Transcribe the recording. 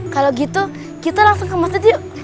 kalau gitu kita langsung ke masjid yuk